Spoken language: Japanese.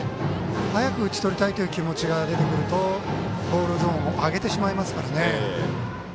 早く打ち取りたいという気持ちが出てくるとボールゾーンを上げてしまいますからね。